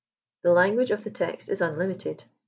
The language of the text is unlimited.